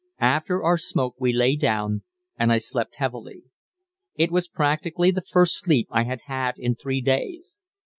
After our smoke we lay down, and I slept heavily; it was practically the first sleep I had had in three days.